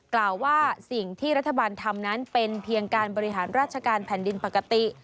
กล่าวว่าสิ่งที่รัฐบาลทำนั้นเป็นเพียงการบริหารราชการแผ่นดินปกติ